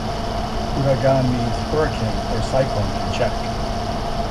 "Uragan" means "hurricane" or "cyclone" in Czech.